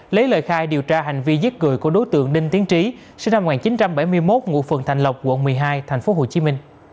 lấy lời khai điều tra hành vi giết người của đối tượng đinh tiến trí sinh năm một nghìn chín trăm bảy mươi một ngụ phường thành lộc quận một mươi hai tp hcm